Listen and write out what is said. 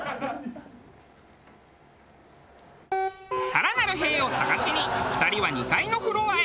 更なる「へぇ」を探しに２人は２階のフロアへ。